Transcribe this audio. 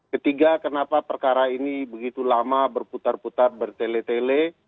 ketiga kenapa perkara ini begitu lama berputar putar bertele tele